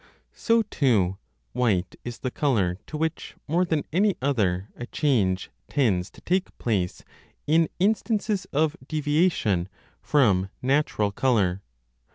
So, too, white is the colour to which more than any other a change tends to take place in instances of deviation from natural 25 colour.